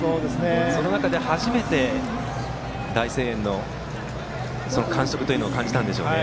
その中で初めて大声援の感触を感じたんでしょうね。